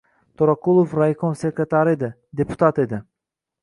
To‘raqulov raykom sekretari edi, deputat edi